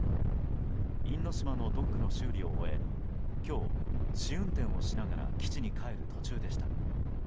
因島のドックの修理を終え今日、試運転をしながら基地に帰る途中でした。